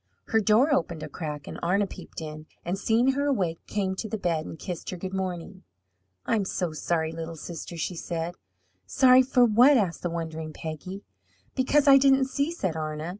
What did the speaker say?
Her door opened a crack and Arna peeped in, and seeing her awake, came to the bed and kissed her good morning. "I'm so sorry, little sister!" she said. "Sorry for what?" asked the wondering Peggy. "Because I didn't see," said Arna.